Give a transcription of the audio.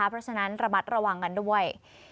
เพราะฉะนั้นระมัดระวังกันด้วย